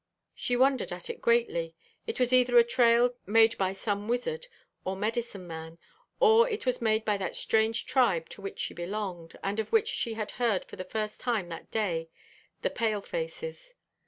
She wondered at it greatly. It was either a trail made by some wizard or medicine man, or it was made by that strange tribe to which she belonged, and of which she had heard for the first time that day, the "pale faces."